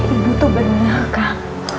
ibu tuh bener kan